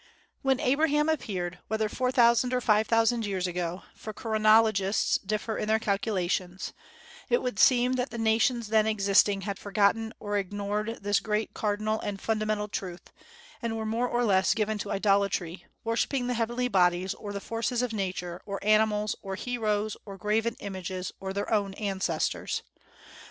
When Abraham appeared, whether four thousand or five thousand years ago, for chronologists differ in their calculations, it would seem that the nations then existing had forgotten or ignored this great cardinal and fundamental truth, and were more or less given to idolatry, worshipping the heavenly bodies, or the forces of Nature, or animals, or heroes, or graven images, or their own ancestors.